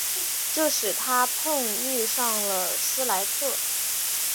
这使他碰遇上了斯莱特。